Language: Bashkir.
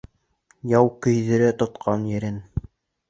Яу көйҙөрә тотҡан ерен.